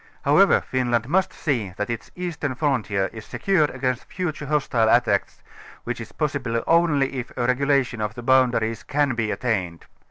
However, Finland must see that its eastern frontier is secured against future hostile attacks, which is possible only if a regulation of the boundaires can be attained.